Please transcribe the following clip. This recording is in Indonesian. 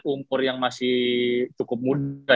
umur yang masih cukup muda